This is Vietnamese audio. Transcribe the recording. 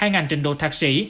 hai ngành trình độ thạc sĩ